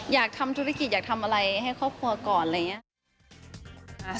อยากทำธุรกิจอยากทำอะไรให้ครอบครัวก่อนอะไรอย่างนี้